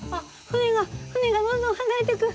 船が船がどんどん離れてく。